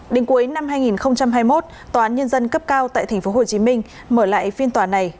đến cuối năm hai nghìn hai mươi một toán nhân dân cấp cao tại thành phố hồ chí minh mở lại phiên tòa này